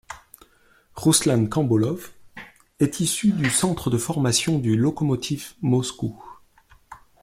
Ruslan Kambolov est issu du centre de formation du Lokomotiv Moscou.